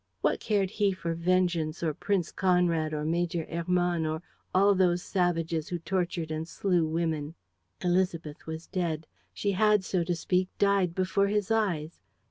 What cared he for vengeance or Prince Conrad or Major Hermann or all those savages who tortured and slew women? Élisabeth was dead. She had, so to speak, died before his eyes.